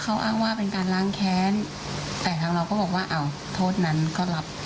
เขาอ้างว่าเป็นการล้างแค้นแต่ทางเราก็บอกว่าอ้าวโทษนั้นก็รับ